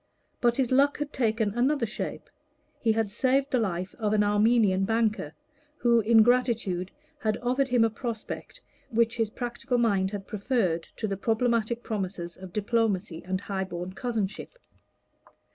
But his luck had taken another shape: he had saved the life of an Armenian banker, who in gratitude had offered him a prospect which his practical mind had preferred to the problematic promises of diplomacy and high born cousinship.